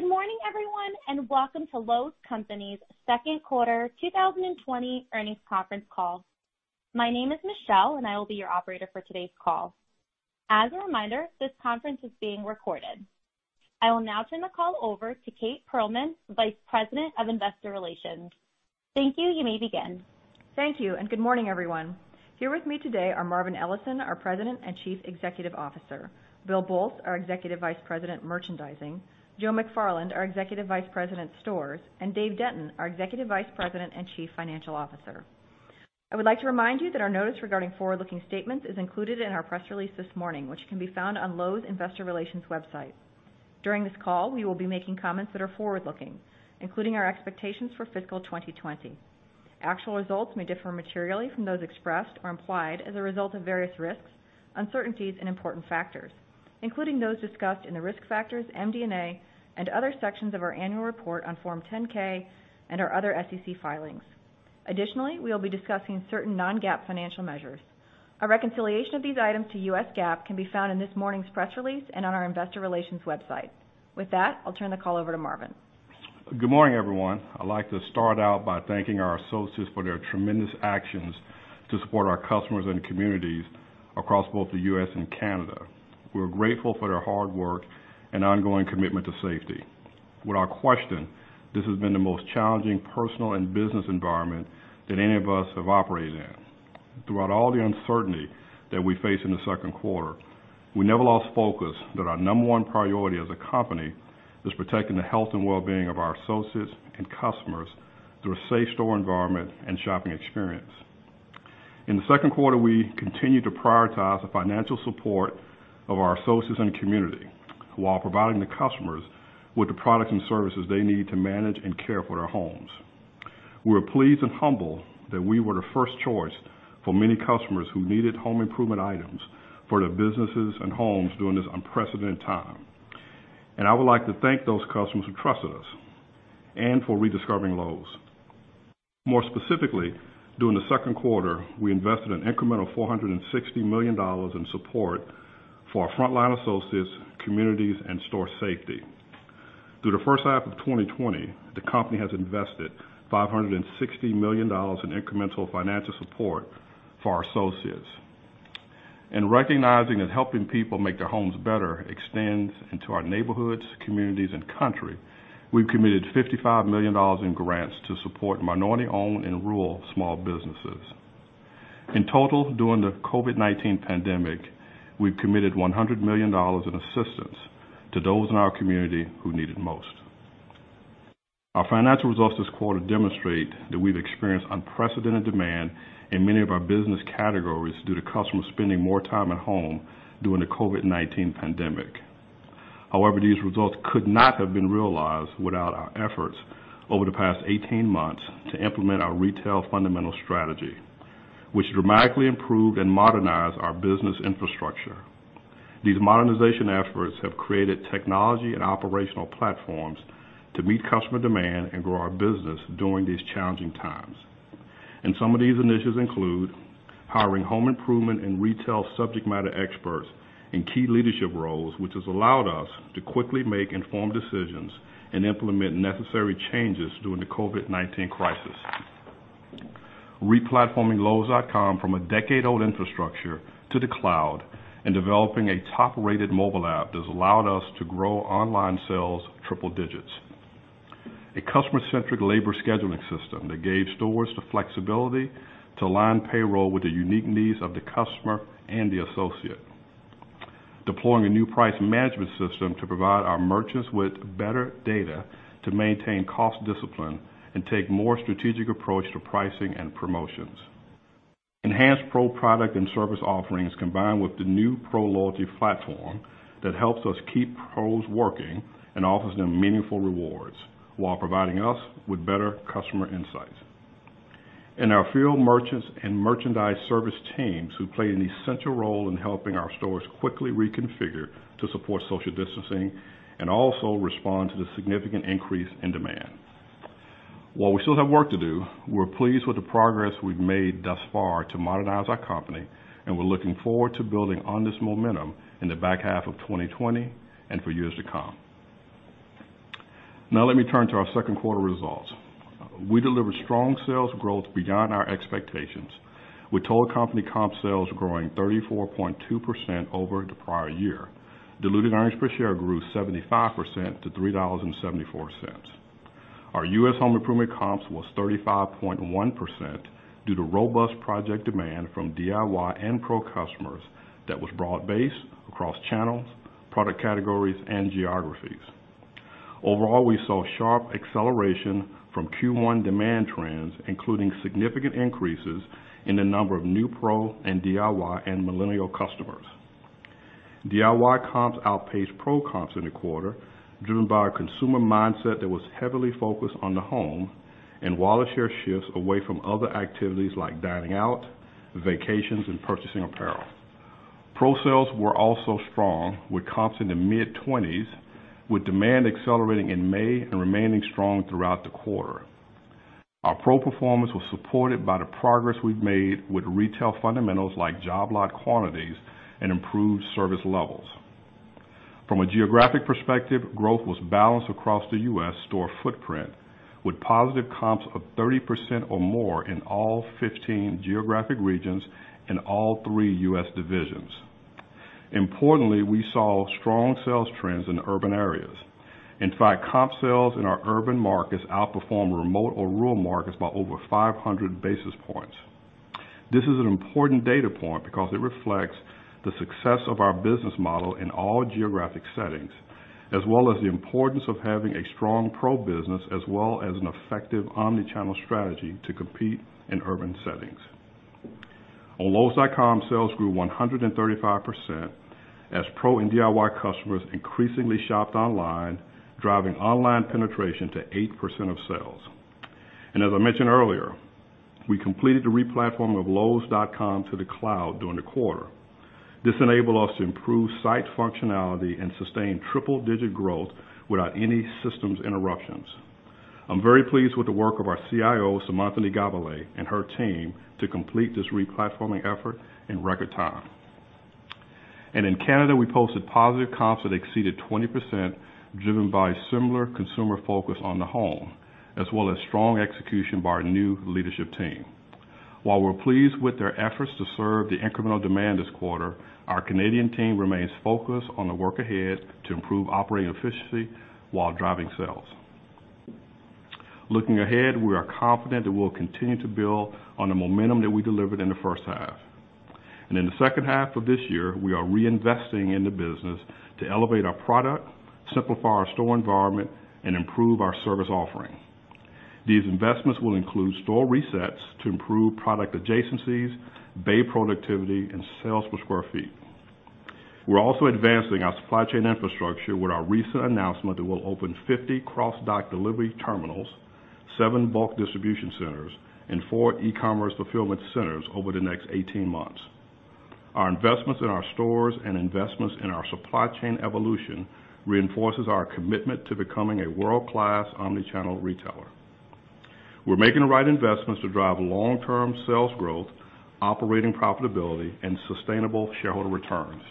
Good morning, everyone, and welcome to Lowe's Companies' second quarter 2020 earnings conference call. My name is Michelle, and I will be your Operator for today's call. As a reminder, this conference is being recorded. I will now turn the call over to Kate Pearlman, Vice President of Investor Relations. Thank you. You may begin. Thank you, and good morning, everyone. Here with me today are Marvin Ellison, our President and Chief Executive Officer, Bill Boltz, our Executive Vice President, Merchandising, Joe McFarland, our Executive Vice President, Stores, and Dave Denton, our Executive Vice President and Chief Financial Officer. I would like to remind you that our notice regarding forward-looking statements is included in our press release this morning, which can be found on Lowe's Investor Relations website. During this call, we will be making comments that are forward-looking, including our expectations for fiscal 2020. Actual results may differ materially from those expressed or implied as a result of various risks, uncertainties, and important factors, including those discussed in the risk factors, MD&A, and other sections of our annual report on Form 10-K and our other SEC filings. Additionally, we will be discussing certain non-GAAP financial measures. A reconciliation of these items to US GAAP can be found in this morning's press release and on our investor relations website. With that, I'll turn the call over to Marvin. Good morning everyone? I'd like to start out by thanking our associates for their tremendous actions to support our customers and communities across both the U.S. and Canada. We're grateful for their hard work and ongoing commitment to safety. Without question, this has been the most challenging personal and business environment that any of us have operated in. Throughout all the uncertainty that we faced in the second quarter, we never lost focus that our number one priority as a company is protecting the health and wellbeing of our associates and customers through a safe store environment and shopping experience. In the second quarter, we continued to prioritize the financial support of our associates and community while providing the customers with the products and services they need to manage and care for their homes. We're pleased and humbled that we were the first choice for many customers who needed home improvement items for their businesses and homes during this unprecedented time, and I would like to thank those customers who trusted us and for rediscovering Lowe's. More specifically, during the second quarter, we invested an incremental $460 million in support for our frontline associates, communities, and store safety. Through the first half of 2020, the company has invested $560 million in incremental financial support for our associates. In recognizing that helping people make their homes better extends into our neighborhoods, communities, and country, we've committed $55 million in grants to support minority-owned and rural small businesses. In total, during the COVID-19 pandemic, we've committed $100 million in assistance to those in our community who need it most. Our financial results this quarter demonstrate that we've experienced unprecedented demand in many of our business categories due to customers spending more time at home during the COVID-19 pandemic. However, these results could not have been realized without our efforts over the past 18 months to implement our retail fundamental strategy, which dramatically improved and modernized our business infrastructure. These modernization efforts have created technology and operational platforms to meet customer demand and grow our business during these challenging times. Some of these initiatives include hiring home improvement and retail subject matter experts in key leadership roles, which has allowed us to quickly make informed decisions and implement necessary changes during the COVID-19 crisis. Re-platforming lowes.com from a decade-old infrastructure to the cloud and developing a top-rated mobile app has allowed us to grow online sales triple digits. A customer-centric labor scheduling system that gave stores the flexibility to align payroll with the unique needs of the customer and the associate. Deploying a new price management system to provide our merchants with better data to maintain cost discipline and take more strategic approach to pricing and promotions. Enhanced Pro product and service offerings combined with the new Pro loyalty platform that helps us keep Pros working and offers them meaningful rewards while providing us with better customer insights. Our field merchants and merchandise service teams who played an essential role in helping our stores quickly reconfigure to support social distancing and also respond to the significant increase in demand. While we still have work to do, we're pleased with the progress we've made thus far to modernize our company, and we're looking forward to building on this momentum in the back half of 2020 and for years to come. Now let me turn to our second quarter results. We delivered strong sales growth beyond our expectations, with total company comp sales growing 34.2% over the prior year. Diluted earnings per share grew 75% to $3.74. Our U.S. home improvement comps was 35.1% due to robust project demand from DIY and Pro customers that was broad-based across channels, product categories, and geographies. Overall, we saw sharp acceleration from Q1 demand trends, including significant increases in the number of new Pro and DIY and millennial customers. DIY comps outpaced Pro comps in the quarter, driven by a consumer mindset that was heavily focused on the home and wallet share shifts away from other activities like dining out, vacations, and purchasing apparel. Pro sales were also strong, with comps in the mid-20s, with demand accelerating in May and remaining strong throughout the quarter. Our pro performance was supported by the progress we've made with retail fundamentals like job lot quantities and improved service levels. From a geographic perspective, growth was balanced across the U.S. store footprint with positive comps of 30% or more in all 15 geographic regions in all three U.S. divisions. Importantly, we saw strong sales trends in urban areas. In fact, comp sales in our urban markets outperform remote or rural markets by over 500 basis points. This is an important data point because it reflects the success of our business model in all geographic settings, as well as the importance of having a strong Pro business as well as an effective omni-channel strategy to compete in urban settings. On Lowes.com, sales grew 135% as Pro and DIY customers increasingly shopped online, driving online penetration to 8% of sales. As I mentioned earlier, we completed the re-platform of Lowes.com to the cloud during the quarter. This enabled us to improve site functionality and sustain triple-digit growth without any systems interruptions. I'm very pleased with the work of our Chief Information Officer, Seemantini Godbole, and her team to complete this re-platforming effort in record time. In Canada, we posted positive comps that exceeded 20%, driven by similar consumer focus on the home, as well as strong execution by our new leadership team. While we're pleased with their efforts to serve the incremental demand this quarter, our Canadian team remains focused on the work ahead to improve operating efficiency while driving sales. Looking ahead, we are confident that we'll continue to build on the momentum that we delivered in the first half. In the second half of this year, we are reinvesting in the business to elevate our product, simplify our store environment, and improve our service offering. These investments will include store resets to improve product adjacencies, bay productivity, and sales per square feet. We're also advancing our supply chain infrastructure with our recent announcement that we'll open 50 cross-dock delivery terminals, seven bulk distribution centers, and four e-commerce fulfillment centers over the next 18 months. Our investments in our stores and investments in our supply chain evolution reinforces our commitment to becoming a world-class omni-channel retailer. We're making the right investments to drive long-term sales growth, operating profitability, and sustainable shareholder returns.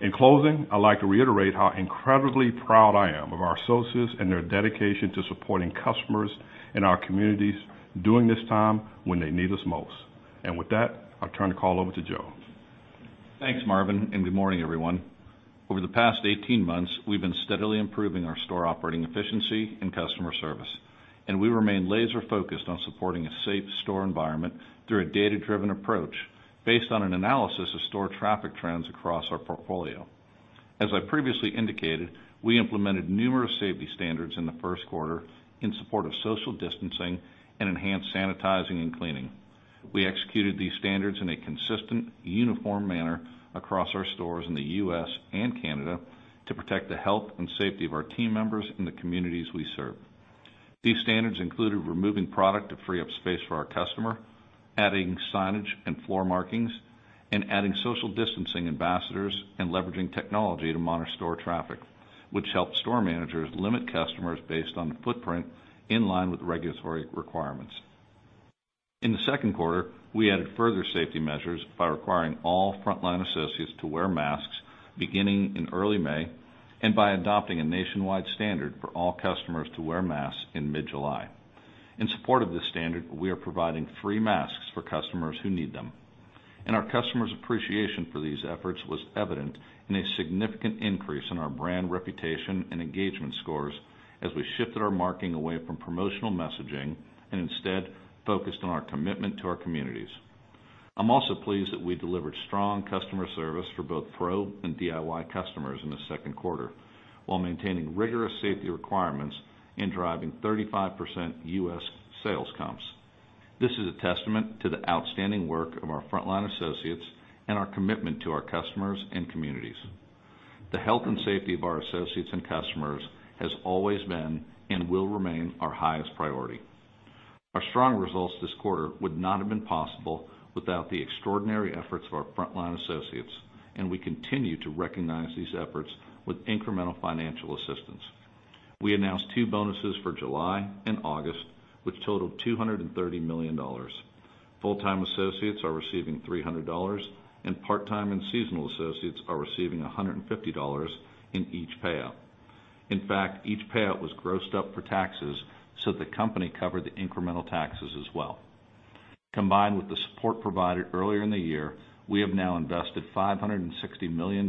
In closing, I'd like to reiterate how incredibly proud I am of our associates and their dedication to supporting customers in our communities during this time when they need us most. With that, I'll turn the call over to Joe. Thanks, Marvin, and good morning everyone? Over the past 18 months, we've been steadily improving our store operating efficiency and customer service, and we remain laser-focused on supporting a safe store environment through a data-driven approach based on an analysis of store traffic trends across our portfolio. As I previously indicated, we implemented numerous safety standards in the first quarter in support of social distancing and enhanced sanitizing and cleaning. We executed these standards in a consistent, uniform manner across our stores in the U.S. and Canada to protect the health and safety of our team members in the communities we serve. These standards included removing product to free up space for our customer, adding signage and floor markings, and adding social distancing ambassadors and leveraging technology to monitor store traffic, which helped store managers limit customers based on the footprint in line with regulatory requirements. In the second quarter, we added further safety measures by requiring all frontline associates to wear masks beginning in early May, and by adopting a nationwide standard for all customers to wear masks in mid-July. Our customers' appreciation for these efforts was evident in a significant increase in our brand reputation and engagement scores as we shifted our marketing away from promotional messaging and instead focused on our commitment to our communities. I'm also pleased that we delivered strong customer service for both Pro and DIY customers in the second quarter, while maintaining rigorous safety requirements in driving 35% U.S. sales comps. This is a testament to the outstanding work of our frontline associates and our commitment to our customers and communities. The health and safety of our associates and customers has always been and will remain our highest priority. Our strong results this quarter would not have been possible without the extraordinary efforts of our frontline associates, and we continue to recognize these efforts with incremental financial assistance. We announced two bonuses for July and August, which totaled $230 million. Full-time associates are receiving $300 and part-time and seasonal associates are receiving $150 in each payout. In fact, each payout was grossed up for taxes, so the company covered the incremental taxes as well. Combined with the support provided earlier in the year, we have now invested $560 million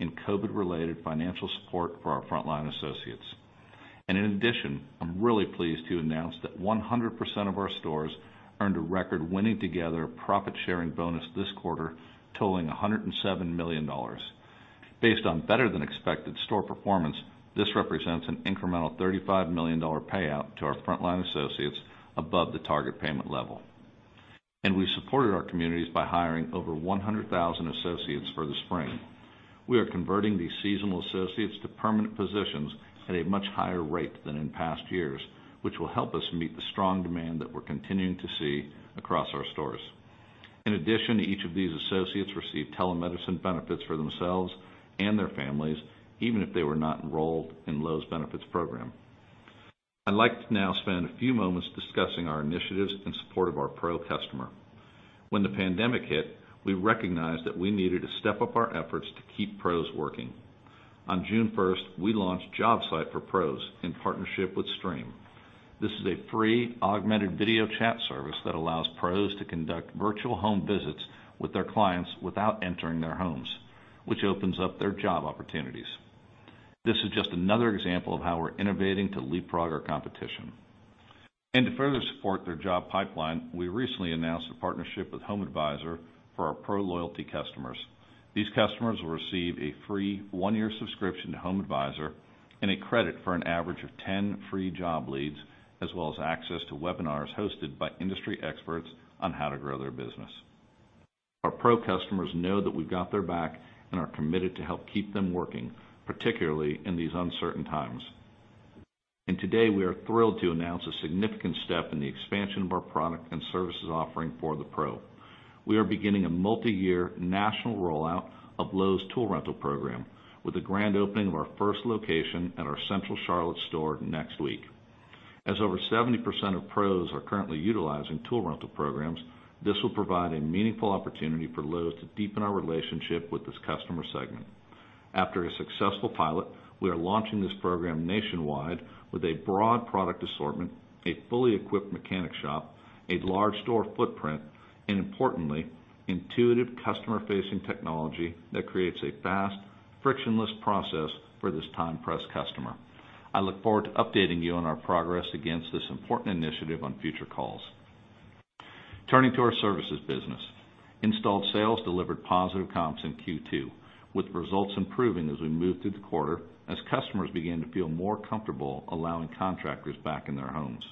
in COVID-related financial support for our frontline associates. In addition, I'm really pleased to announce that 100% of our stores earned a record winning-together profit-sharing bonus this quarter totaling $107 million. Based on better than expected store performance, this represents an incremental $35 million payout to our frontline Associates above the target payment level. We supported our communities by hiring over 100,000 Associates for the spring. We are converting these seasonal Associates to permanent positions at a much higher rate than in past years, which will help us meet the strong demand we're continuing to see across our stores. In addition, each of these Associates received telemedicine benefits for themselves and their families, even if they were not enrolled in Lowe's benefits program. I'd like to now spend a few moments discussing our initiatives in support of our Pro customer. When the pandemic hit, we recognized that we needed to step up our efforts to keep Pros working. On June 1, we launched JobSIGHT for Pros in partnership with Streem. This is a free augmented video chat service that allows Pro to conduct virtual home visits with their clients without entering their homes, which opens up their job opportunities. This is just another example of how we're innovating to leapfrog our competition. To further support their job pipeline, we recently announced a partnership with HomeAdvisor for our Pro loyalty customers. These customers will receive a free one-year subscription to HomeAdvisor and a credit for an average of 10 free job leads, as well as access to webinars hosted by industry experts on how to grow their business. Our Pro customers know that we've got their back and are committed to help keep them working, particularly in these uncertain times. Today, we are thrilled to announce a significant step in the expansion of our product and services offering for the Pro. We are beginning a multi-year national rollout of Lowe's Tool Rental program, with a grand opening of our first location at our Central Charlotte store next week. As over 70% of Pros are currently utilizing tool rental programs, this will provide a meaningful opportunity for Lowe's to deepen our relationship with this customer segment. After a successful pilot, we are launching this program nationwide with a broad product assortment, a fully equipped mechanic shop, a large store footprint, and importantly, intuitive customer-facing technology that creates a fast, frictionless process for this time-pressed customer. I look forward to updating you on our progress against this important initiative on future calls. Turning to our services business. Installed sales delivered positive comps in Q2, with results improving as we moved through the quarter as customers began to feel more comfortable allowing contractors back in their homes.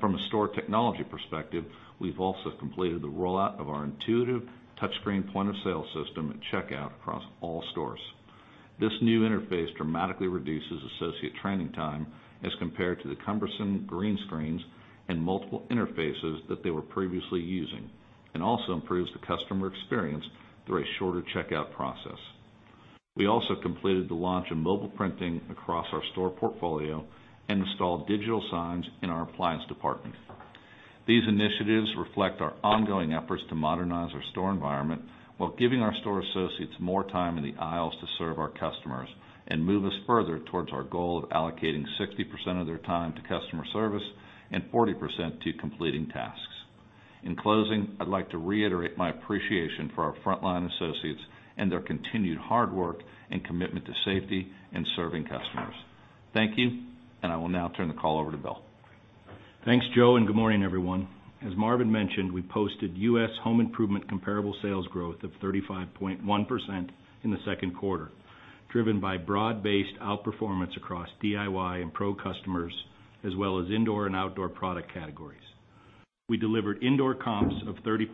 From a store technology perspective, we've also completed the rollout of our intuitive touchscreen point-of-sale system at checkout across all stores. This new interface dramatically reduces associate training time as compared to the cumbersome green screens and multiple interfaces that they were previously using and also improves the customer experience through a shorter checkout process. We also completed the launch of mobile printing across our store portfolio and installed digital signs in our appliance department. These initiatives reflect our ongoing efforts to modernize our store environment while giving our store associates more time in the aisles to serve our customers and move us further towards our goal of allocating 60% of their time to customer service and 40% to completing tasks. In closing, I'd like to reiterate my appreciation for our frontline associates and their continued hard work and commitment to safety and serving customers. Thank you. I will now turn the call over to Bill. Thanks, Joe, and good morning everyone? As Marvin mentioned, we posted U.S. home improvement comparable sales growth of 35.1% in the second quarter, driven by broad-based outperformance across DIY and Pro customers, as well as indoor and outdoor product categories. We delivered indoor comps of 30%,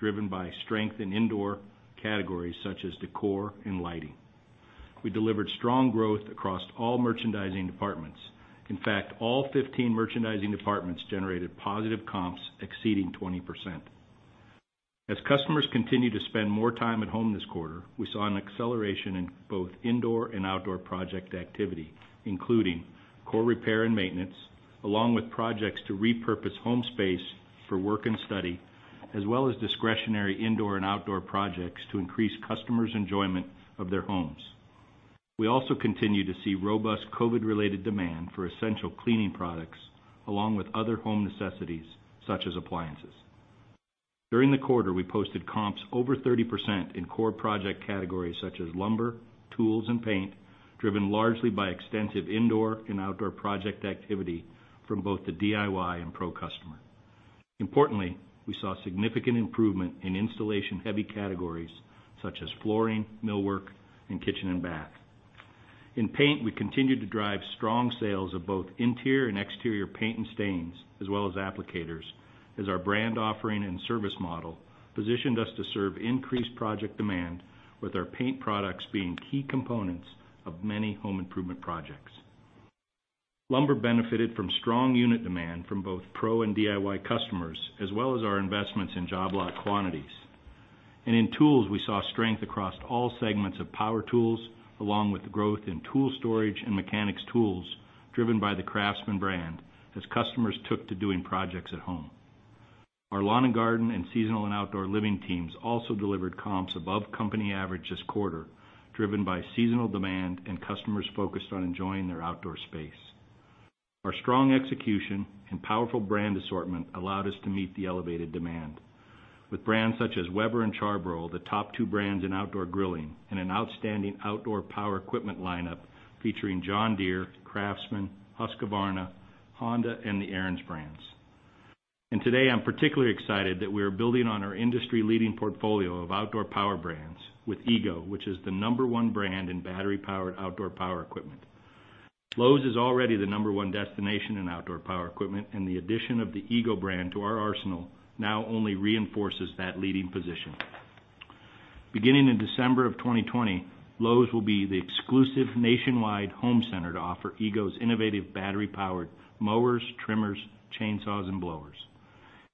driven by strength in indoor categories such as decor and lighting. We delivered strong growth across all merchandising departments. In fact, all 15 merchandising departments generated positive comps exceeding 20%. As customers continued to spend more time at home this quarter, we saw an acceleration in both indoor and outdoor project activity, including core repair and maintenance, along with projects to repurpose home space for work and study, as well as discretionary indoor and outdoor projects to increase customers' enjoyment of their homes. We also continue to see robust COVID-related demand for essential cleaning products, along with other home necessities such as appliances. During the quarter, we posted comps over 30% in core project categories such as lumber, tools, and paint, driven largely by extensive indoor and outdoor project activity from both the DIY and Pro customer. Importantly, we saw significant improvement in installation-heavy categories such as flooring, millwork, and kitchen and bath. In paint, we continued to drive strong sales of both interior and exterior paint and stains, as well as applicators, as our brand offering and service model positioned us to serve increased project demand with our paint products being key components of many home improvement projects. Lumber benefited from strong unit demand from both Pro and DIY customers, as well as our investments in job lot quantities. In tools, we saw strength across all segments of power tools, along with growth in tool storage and mechanics tools driven by the CRAFTSMAN brand as customers took to doing projects at home. Our lawn and garden and seasonal and outdoor living teams also delivered comps above company average this quarter, driven by seasonal demand and customers focused on enjoying their outdoor space. Our strong execution and powerful brand assortment allowed us to meet the elevated demand with brands such as Weber and Charbroil, the top two brands in outdoor grilling, and an outstanding outdoor power equipment lineup featuring John Deere, CRAFTSMAN, Husqvarna, Honda, and the Ariens brands. Today, I'm particularly excited that we are building on our industry-leading portfolio of outdoor power brands with EGO, which is the number one brand in battery-powered outdoor power equipment. Lowe's is already the number one destination in outdoor power equipment, and the addition of the EGO brand to our arsenal now only reinforces that leading position. Beginning in December of 2020, Lowe's will be the exclusive nationwide home center to offer EGO's innovative battery-powered mowers, trimmers, chainsaws, and blowers.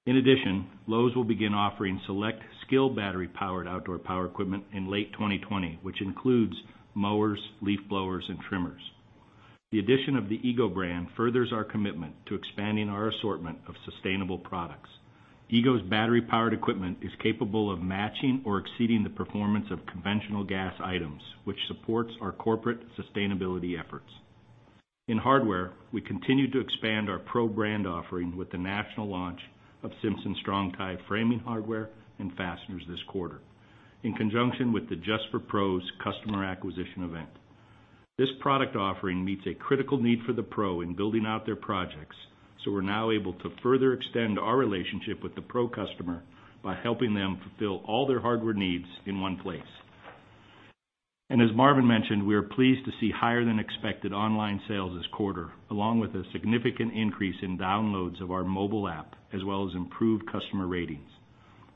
In addition, Lowe's will begin offering select SKIL battery-powered outdoor power equipment in late 2020, which includes mowers, leaf blowers, and trimmers. The addition of the EGO brand furthers our commitment to expanding our assortment of sustainable products. EGO's battery-powered equipment is capable of matching or exceeding the performance of conventional gas items, which supports our corporate sustainability efforts. In hardware, we continue to expand our Pro brand offering with the national launch of Simpson Strong-Tie framing hardware and fasteners this quarter, in conjunction with the Just for Pros customer acquisition event. This product offering meets a critical need for the Pro in building out their projects. We're now able to further extend our relationship with the Pro customer by helping them fulfill all their hardware needs in one place. As Marvin mentioned, we are pleased to see higher than expected online sales this quarter, along with a significant increase in downloads of our mobile app, as well as improved customer ratings.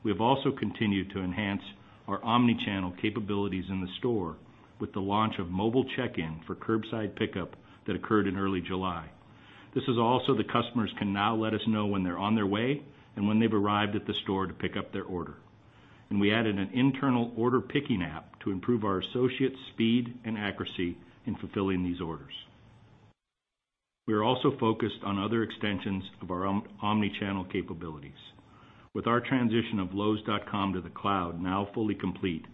We have also continued to enhance our omni-channel capabilities in the store with the launch of mobile check-in for curbside pickup that occurred in early July. This is all the customers can now let us know when they're on their way and when they've arrived at the store to pick up their order. We added an internal order picking app to improve our associates' speed and accuracy in fulfilling these orders. We are also focused on other extensions of our omni-channel capabilities. With our transition of Lowes.com to the cloud now fully complete,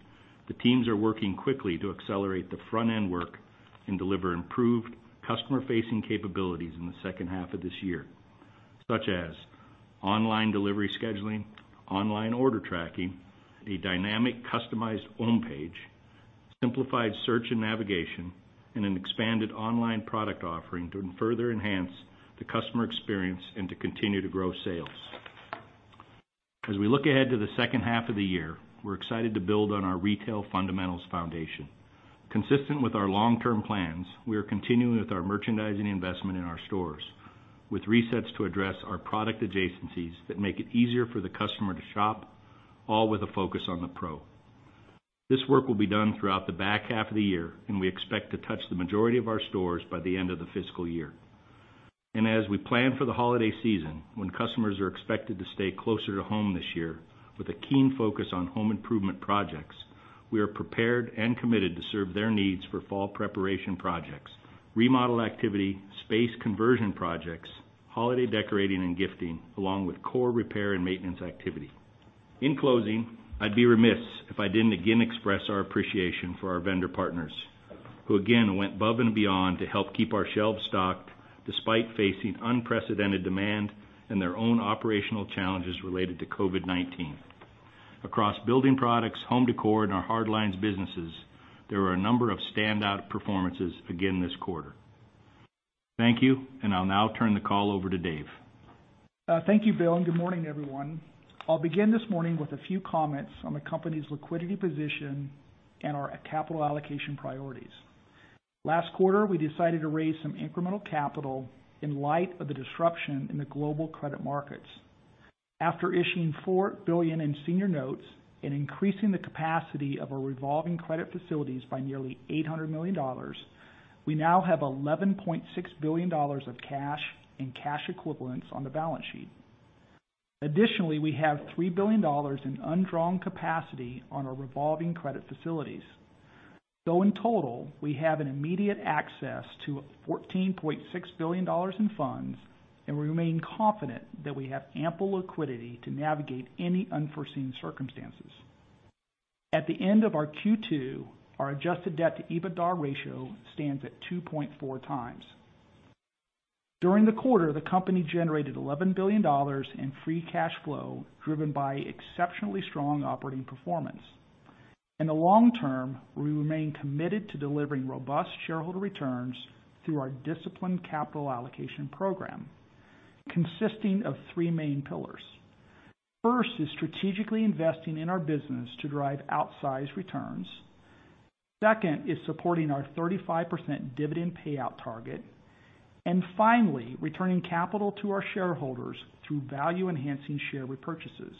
the teams are working quickly to accelerate the front-end work and deliver improved customer-facing capabilities in the second half of this year, such as online delivery scheduling, online order tracking, a dynamic customized homepage, simplified search and navigation, and an expanded online product offering to further enhance the customer experience and to continue to grow sales. As we look ahead to the second half of the year, we're excited to build on our retail fundamentals foundation. Consistent with our long-term plans, we are continuing with our merchandising investment in our stores, with resets to address our product adjacencies that make it easier for the customer to shop, all with a focus on the Pro. This work will be done throughout the back half of the year. We expect to touch the majority of our stores by the end of the fiscal year. As we plan for the holiday season, when customers are expected to stay closer to home this year with a keen focus on home improvement projects, we are prepared and committed to serve their needs for fall preparation projects, remodel activity, space conversion projects, holiday decorating and gifting, along with core repair and maintenance activity. In closing, I'd be remiss if I didn't again express our appreciation for our vendor partners, who again went above and beyond to help keep our shelves stocked despite facing unprecedented demand and their own operational challenges related to COVID-19. Across building products, home decor, and our hard lines businesses, there were a number of standout performances again this quarter. Thank you. I'll now turn the call over to Dave. Thank you, Bill, and good morning everyone? I'll begin this morning with a few comments on the company's liquidity position and our capital allocation priorities. Last quarter, we decided to raise some incremental capital in light of the disruption in the global credit markets. After issuing $4 billion in senior notes and increasing the capacity of our revolving credit facilities by nearly $800 million, we now have $11.6 billion of cash and cash equivalents on the balance sheet. Additionally, we have $3 billion in undrawn capacity on our revolving credit facilities. In total, we have an immediate access to $14.6 billion in funds, and we remain confident that we have ample liquidity to navigate any unforeseen circumstances. At the end of our Q2, our adjusted debt to EBITDA ratio stands at 2.4x. During the quarter, the company generated $11 billion in free cash flow, driven by exceptionally strong operating performance. In the long term, we remain committed to delivering robust shareholder returns through our disciplined capital allocation program, consisting of three main pillars. First is strategically investing in our business to drive outsized returns. Second is supporting our 35% dividend payout target. Finally, returning capital to our shareholders through value-enhancing share repurchases.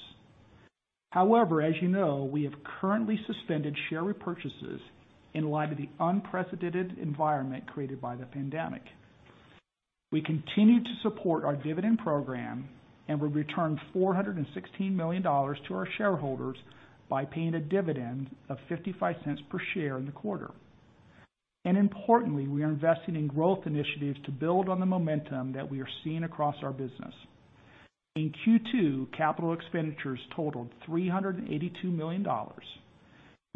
However, as you know, we have currently suspended share repurchases in light of the unprecedented environment created by the pandemic. We continue to support our dividend program, and we returned $416 million to our shareholders by paying a dividend of $0.55 per share in the quarter. Importantly, we are investing in growth initiatives to build on the momentum that we are seeing across our business. In Q2, capital expenditures totaled $382 million.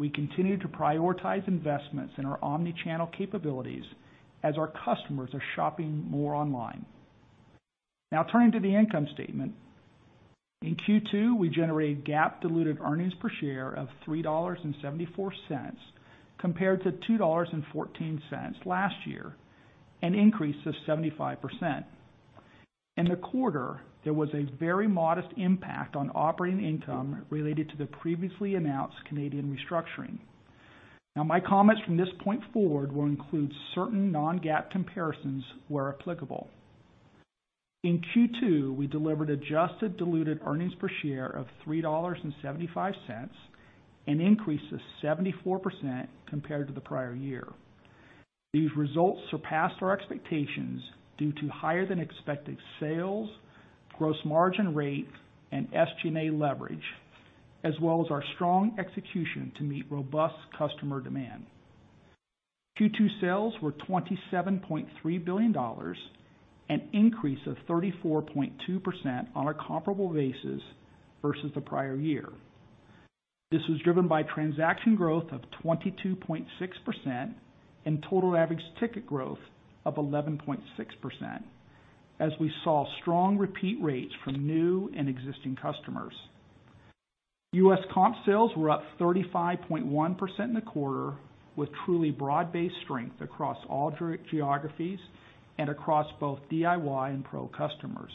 We continue to prioritize investments in our omni-channel capabilities as our customers are shopping more online. Now turning to the income statement. In Q2, we generated GAAP diluted earnings per share of $3.74, compared to $2.14 last year, an increase of 75%. In the quarter, there was a very modest impact on operating income related to the previously announced Canadian restructuring. Now, my comments from this point forward will include certain non-GAAP comparisons where applicable. In Q2, we delivered adjusted diluted earnings per share of $3.75, an increase of 74% compared to the prior year. These results surpassed our expectations due to higher than expected sales, gross margin rate, and SG&A leverage, as well as our strong execution to meet robust customer demand. Q2 sales were $27.3 billion, an increase of 34.2% on a comparable basis versus the prior year. This was driven by transaction growth of 22.6% and total average ticket growth of 11.6%, as we saw strong repeat rates from new and existing customers. U.S. comp sales were up 35.1% in the quarter, with truly broad-based strength across all geographies and across both DIY and Pro customers.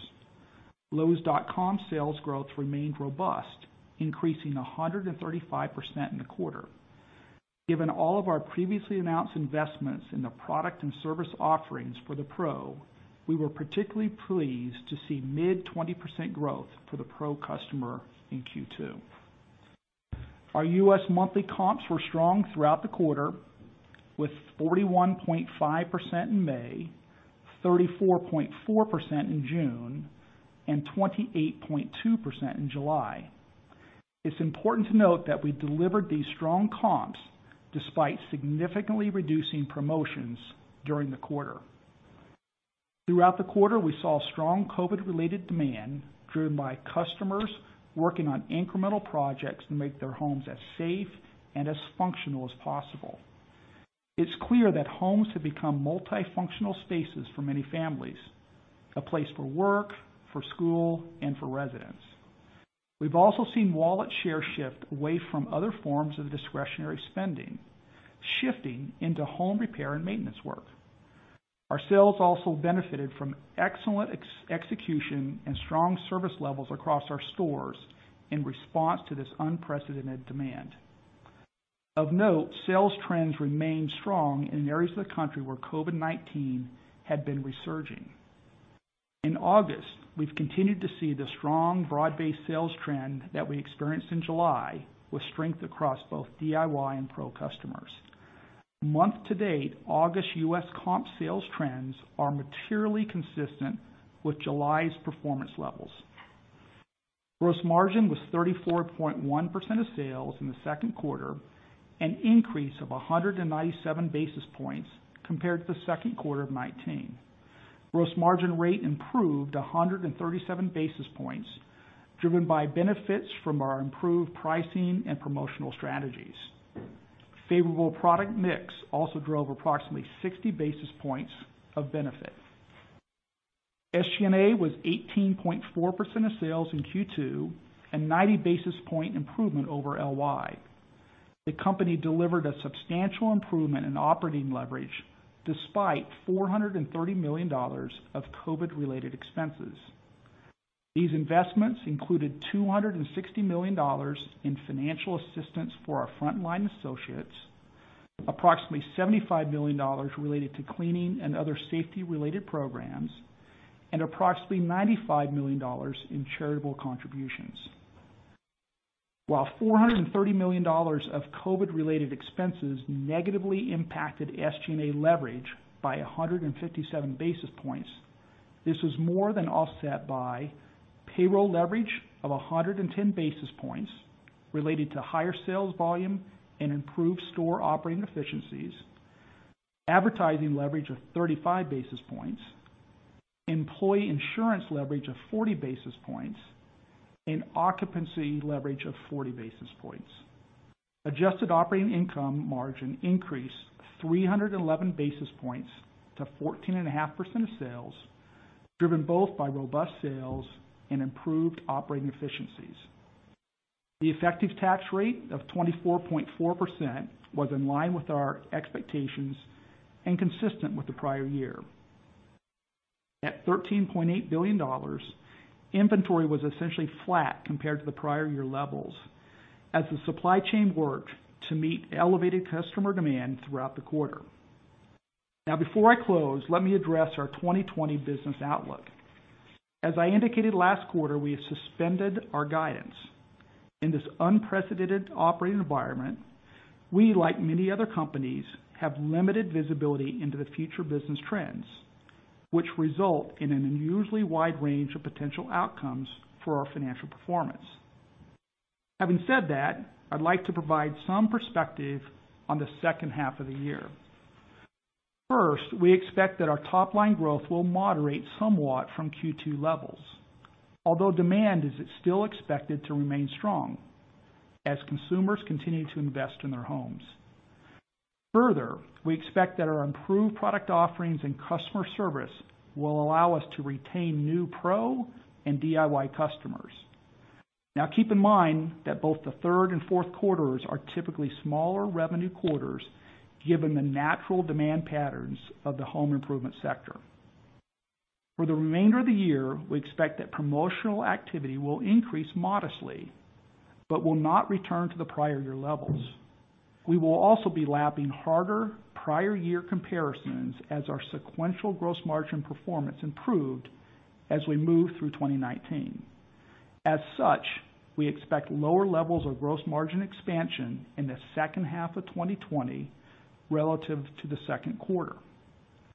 Lowes.com sales growth remained robust, increasing 135% in the quarter. Given all of our previously announced investments in the product and service offerings for the Pro, we were particularly pleased to see mid 20% growth for the Pro customer in Q2. Our U.S. monthly comps were strong throughout the quarter, with 41.5% in May, 34.4% in June, and 28.2% in July. It's important to note that we delivered these strong comps despite significantly reducing promotions during the quarter. Throughout the quarter, we saw strong COVID-related demand driven by customers working on incremental projects to make their homes as safe and as functional as possible. It's clear that homes have become multifunctional spaces for many families, a place for work, for school, and for residence. We've also seen wallet share shift away from other forms of discretionary spending, shifting into home repair and maintenance work. Our sales also benefited from excellent execution and strong service levels across our stores in response to this unprecedented demand. Of note, sales trends remained strong in areas of the country where COVID-19 had been resurging. In August, we've continued to see the strong broad-based sales trend that we experienced in July with strength across both DIY and Pro customers. Month-to-date, August U.S. comp sales trends are materially consistent with July's performance levels. Gross margin was 34.1% of sales in the second quarter, an increase of 197 basis points compared to the second quarter of 2019. Gross margin rate improved 137 basis points, driven by benefits from our improved pricing and promotional strategies. Favorable product mix also drove approximately 60 basis points of benefit. SG&A was 18.4% of sales in Q2 and 90 basis point improvement over LY. The company delivered a substantial improvement in operating leverage despite $430 million of COVID-19-related expenses. These investments included $260 million in financial assistance for our frontline associates, approximately $75 million related to cleaning and other safety-related programs, and approximately $95 million in charitable contributions. While $430 million of COVID-related expenses negatively impacted SG&A leverage by 157 basis points, this was more than offset by payroll leverage of 110 basis points related to higher sales volume and improved store operating efficiencies, advertising leverage of 35 basis points, employee insurance leverage of 40 basis points, and occupancy leverage of 40 basis points. Adjusted operating income margin increased 311 basis points to 14.5% of sales, driven both by robust sales and improved operating efficiencies. The effective tax rate of 24.4% was in line with our expectations and consistent with the prior year. At $13.8 billion, inventory was essentially flat compared to the prior year levels as the supply chain worked to meet elevated customer demand throughout the quarter. Now, before I close, let me address our 2020 business outlook. As I indicated last quarter, we have suspended our guidance. In this unprecedented operating environment, we, like many other companies, have limited visibility into the future business trends, which result in an unusually wide range of potential outcomes for our financial performance. Having said that, I'd like to provide some perspective on the second half of the year. First, we expect that our top-line growth will moderate somewhat from Q2 levels, although demand is still expected to remain strong as consumers continue to invest in their homes. We expect that our improved product offerings and customer service will allow us to retain new Pro and DIY customers. Now, keep in mind that both the third and fourth quarters are typically smaller revenue quarters given the natural demand patterns of the home improvement sector. For the remainder of the year, we expect that promotional activity will increase modestly but will not return to the prior year levels. We will also be lapping harder prior year comparisons as our sequential gross margin performance improved as we move through 2019. As such, we expect lower levels of gross margin expansion in the second half of 2020 relative to the second quarter.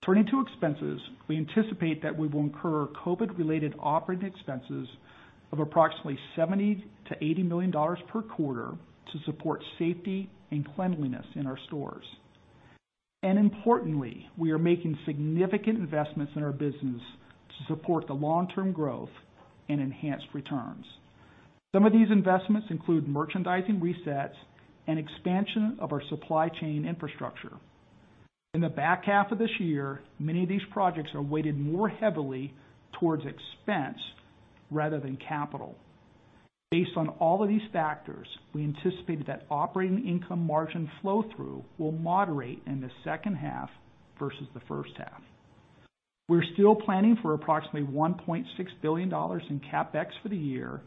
Turning to expenses, we anticipate that we will incur COVID-related operating expenses of approximately $70 million-$80 million per quarter to support safety and cleanliness in our stores. Importantly, we are making significant investments in our business to support the long-term growth and enhanced returns. Some of these investments include merchandising resets and expansion of our supply chain infrastructure. In the back half of this year, many of these projects are weighted more heavily towards expense rather than capital. Based on all of these factors, we anticipate that operating income margin flow through will moderate in the second half versus the first half. We're still planning for approximately $1.6 billion in CapEx for the year,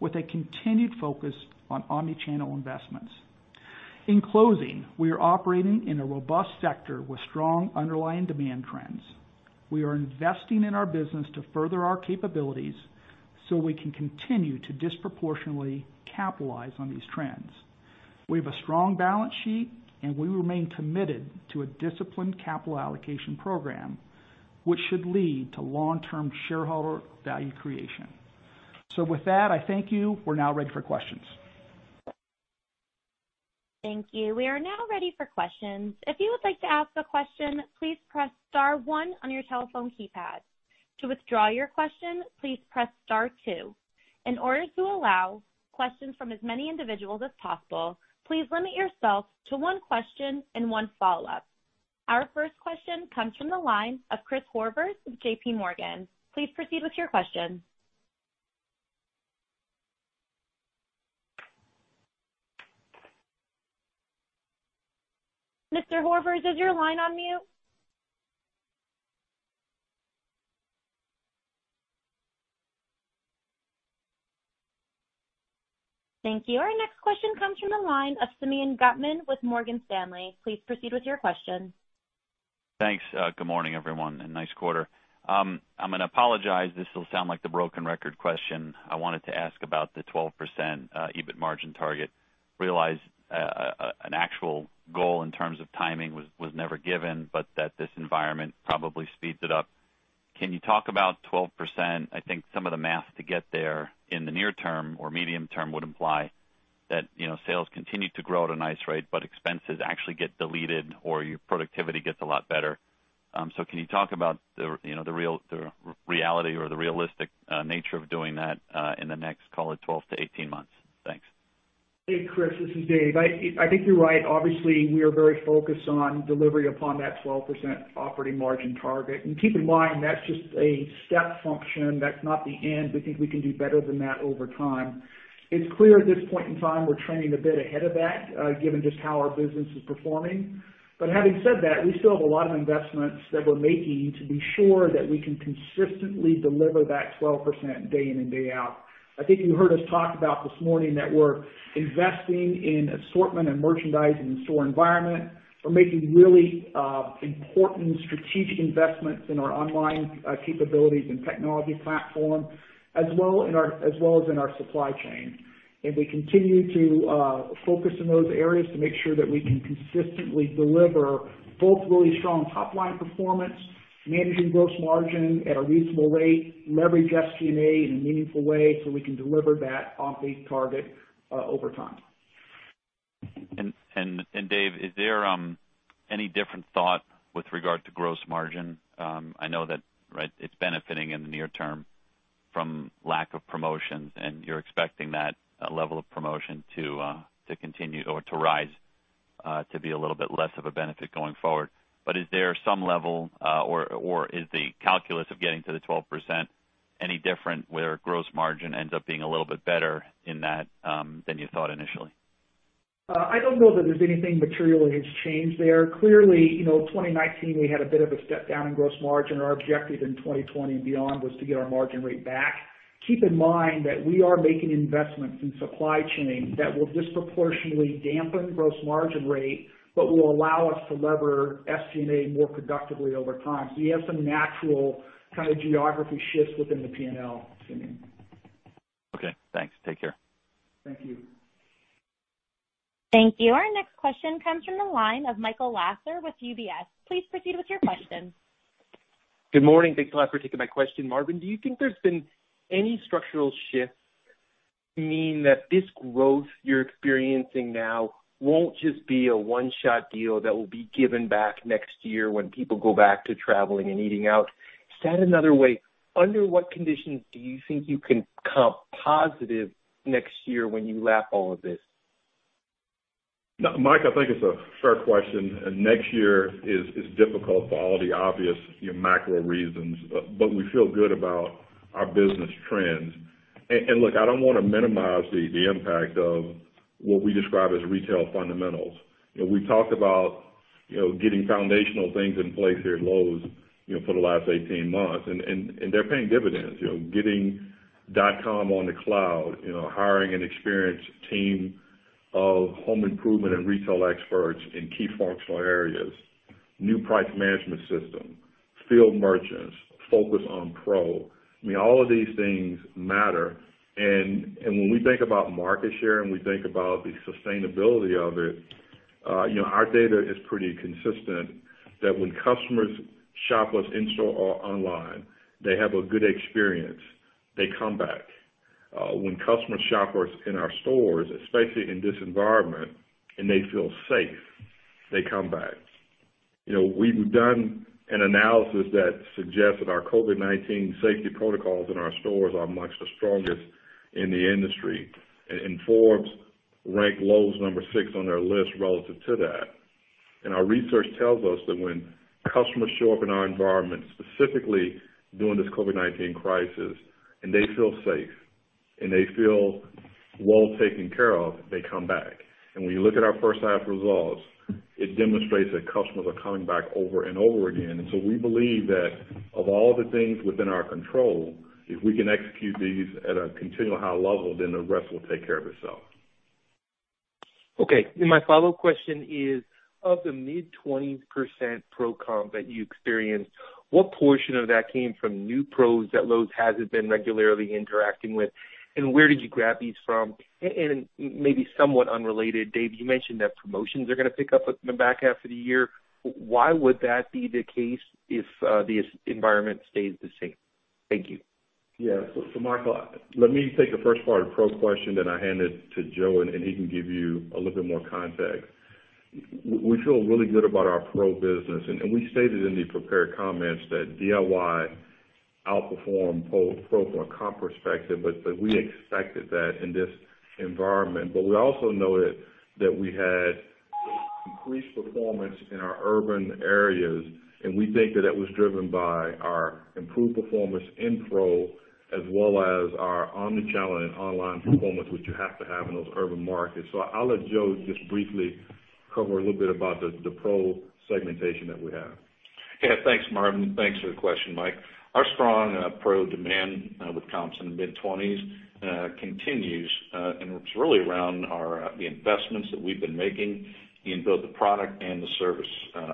with a continued focus on omni-channel investments. In closing, we are operating in a robust sector with strong underlying demand trends. We are investing in our business to further our capabilities so we can continue to disproportionately capitalize on these trends. We have a strong balance sheet, and we remain committed to a disciplined capital allocation program, which should lead to long term shareholder value creation. With that, I thank you. We're now ready for questions. Thank you. We are now ready for questions. If you would like to ask a question, please press star one on your telephone keypad. To withdraw your question, please press star two. In order to allow questions from as many individuals as possible, please limit yourself to one question and one follow-up. Our first question comes from the line of Christopher Horvers of JPMorgan. Please proceed with your question. Mr. Horvers, is your line on mute? Thank you. Our next question comes from the line of Simeon Gutman with Morgan Stanley, please proceed with your question. Thanks. Good morning, everyone, nice quarter. I'm going to apologize. This will sound like the broken record question. I wanted to ask about the 12% EBIT margin target. Realize, an actual goal in terms of timing was never given, but that this environment probably speeds it up. Can you talk about 12%? I think some of the math to get there in the near term or medium term would imply that sales continue to grow at a nice rate, but expenses actually get deleted or your productivity gets a lot better. Can you talk about the reality or the realistic nature of doing that in the next, call it 12 months-18 months? Thanks. Hey Simeon, This is Dave. I think you're right. We are very focused on delivering upon that 12% operating margin target. Keep in mind, that's just a step function. That's not the end. We think we can do better than that over time. It's clear at this point in time, we're trending a bit ahead of that, given just how our business is performing. Having said that, we still have a lot of investments that we're making to be sure that we can consistently deliver that 12% day in and day out. I think you heard us talk about this morning that we're investing in assortment and merchandising the store environment. We're making really important strategic investments in our online capabilities and technology platform, as well as in our supply chain. We continue to focus in those areas to make sure that we can consistently deliver both really strong top line performance, managing gross margin at a reasonable rate, leverage SG&A in a meaningful way so we can deliver that off a target over time. Dave, is there any different thought with regard to gross margin? I know that it's benefiting in the near term from lack of promotions, and you're expecting that level of promotion to continue or to rise to be a little bit less of a benefit going forward. Is there some level or is the calculus of getting to the 12% any different, where gross margin ends up being a little bit better in that, than you thought initially? I don't know that there's anything materially has changed there. Clearly, 2019, we had a bit of a step down in gross margin. Our objective in 2020 and beyond was to get our margin rate back. Keep in mind that we are making investments in supply chain that will disproportionately dampen gross margin rate, but will allow us to lever SG&A more productively over time. You have some natural kind of geography shifts within the P&L, Simeon. Okay. Thanks. Take care. Thank you. Thank you. Our next question comes from the line of Michael Lasser with UBS, please proceed with your question. Good morning? Thanks a lot for taking my question. Marvin, do you think there's been any structural shift, meaning that this growth you're experiencing now won't just be a one-shot deal that will be given back next year when people go back to traveling and eating out? Said another way, under what conditions do you think you can comp positive next year when you lap all of this? Michael, I think it's a fair question, next year is difficult for all the obvious macro reasons. We feel good about our business trends. Look, I don't want to minimize the impact of what we describe as retail fundamentals. We talked about getting foundational things in place here at Lowe's for the last 18 months. They're paying dividends. Getting dot-com on the cloud, hiring an experienced team of home improvement and retail experts in key functional areas, new price management system, field merchants, focus on Pro. All of these things matter. When we think about market share, and we think about the sustainability of it, our data is pretty consistent, that when customers shop with in-store or online, they have a good experience, they come back. When customers shop with us in our stores, especially in this environment, and they feel safe, they come back. We've done an analysis that suggests that our COVID-19 safety protocols in our stores are amongst the strongest in the industry. Forbes ranked Lowe's number six on their list relative to that. Our research tells us that when customers show up in our environment, specifically during this COVID-19 crisis, and they feel safe, and they feel well taken care of, they come back. When you look at our first half results, it demonstrates that customers are coming back over and over again. We believe that of all the things within our control, if we can execute these at a continual high level, then the rest will take care of itself. Okay. My follow-up question is, of the mid-20s% Pro comp that you experienced, what portion of that came from new Pros that Lowe's hasn't been regularly interacting with? Where did you grab these from? Maybe somewhat unrelated, Dave, you mentioned that promotions are going to pick up in the back half of the year. Why would that be the case if the environment stays the same? Thank you. Yeah. Michael, let me take the first part of the Pro question, then I hand it to Joe, and he can give you a little bit more context. We feel really good about our Pro business. We stated in the prepared comments that DIY outperformed Pro from a comp perspective, we expected that in this environment. We also noted that we had increased performance in our urban areas, and we think that it was driven by our improved performance in Pro as well as our omni-channel and online performance, which you have to have in those urban markets. I'll let Joe just briefly cover a little bit about the Pro segmentation that we have. Yeah. Thanks, Marvin. Thanks for the question, Michael. Our strong Pro demand with comps in the mid-20s% continues, it's really around the investments that we've been making in both the product and the service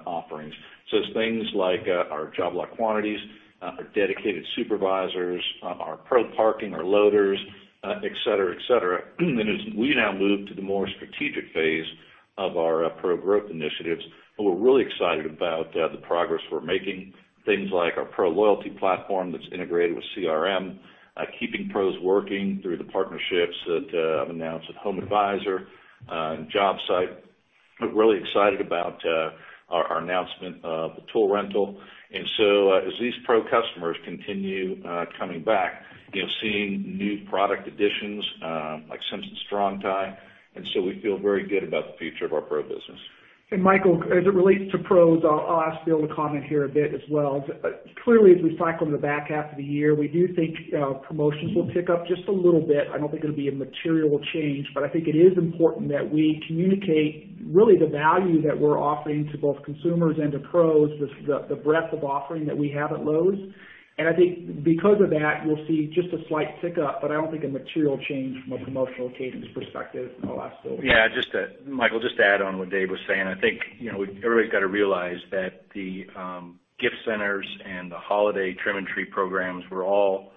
offerings. It's things like our job lot quantities, our dedicated supervisors, our Pro parking, our loaders, et cetera. As we now move to the more strategic phase of our Pro-growth initiatives, we're really excited about the progress we're making. Things like our Pro loyalty platform that's integrated with CRM, keeping Pros working through the partnerships that I've announced with HomeAdvisor, JobSIGHT. We're really excited about our announcement of the Tool Rental, as these Pro customers continue coming back, seeing new product additions, like Simpson Strong-Tie. We feel very good about the future of our Pro business. Michael, as it relates to Pro, I'll ask Bill Boltz to comment here a bit as well. Clearly, as we cycle in the back half of the year, we do think promotions will pick up just a little bit. I don't think it'll be a material change, but I think it is important that we communicate really the value that we're offering to both consumers and to Pro, the breadth of offering that we have at Lowe's. I think because of that, we'll see just a slight pickup, but I don't think a material change from a promotional cadence perspective. I'll ask Bill Boltz to. Michael, just to add on what Dave was saying, I think everybody's got to realize that the gift centers and the holiday trim and tree programs were all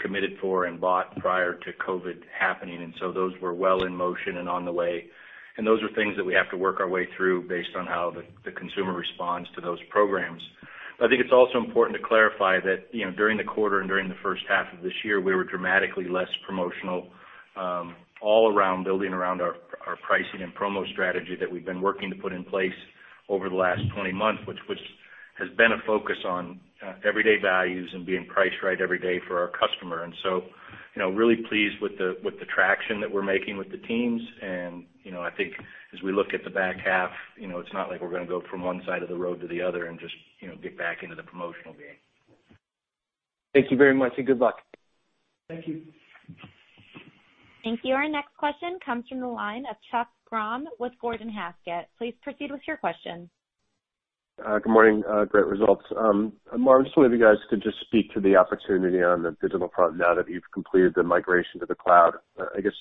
committed for and bought prior to COVID happening. Those were well in motion and on the way, and those are things that we have to work our way through based on how the consumer responds to those programs. I think it's also important to clarify that during the quarter and during the first half of this year, we were dramatically less promotional all around, building around our pricing and promo strategy that we've been working to put in place over the last 20 months, which has been a focus on everyday values and being priced right every day for our customer. Really pleased with the traction that we're making with the teams. I think as we look at the back half, it's not like we're going to go from one side of the road to the other and just get back into the promotional game. Thank you very much, and good luck. Thank you. Thank you. Our next question comes from the line of Chuck Grom with Gordon Haskett, please proceed with your question. Good morning? Great results. Marvin, just wondering if you guys could just speak to the opportunity on the digital front now that you've completed the migration to the cloud? I guess,